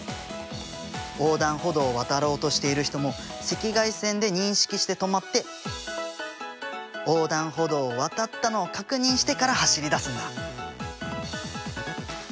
横断歩道を渡ろうとしている人も赤外線で認識して止まって横断歩道を渡ったのを確認してから走り出すんだ。